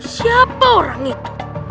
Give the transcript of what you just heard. siapa orang itu